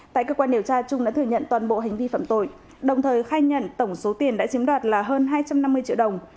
tại cơ quan điều tra trung đã thừa nhận toàn bộ hành vi phạm tội đồng thời khai nhận tổng số tiền đã chiếm đoạt là hơn hai trăm năm mươi triệu đồng